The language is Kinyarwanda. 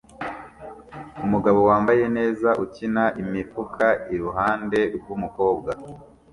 umugabo wambaye neza ukina imifuka iruhande rwumukobwa